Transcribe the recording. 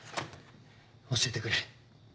教えてくれ。